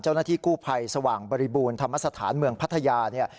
เจ้าหน้าที่กู้ภัยสว่างบริบูรณ์ธรรมสถานเมืองพัทยาเนี่ย